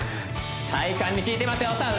体幹に効いてますよさあ